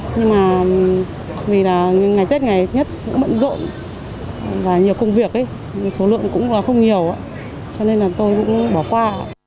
nhưng mà vì là ngày tết ngày tết cũng bận rộn và nhiều công việc số lượng cũng là không nhiều cho nên là tôi cũng bỏ qua